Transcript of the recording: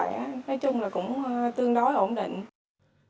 nói chung là cũng tương đối ổn định